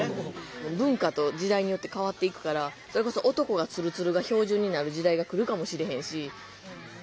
文化と時代によって変わっていくからそれこそ男がツルツルが標準になる時代が来るかもしれへんし。